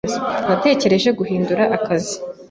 Natekereje guhindura akazi.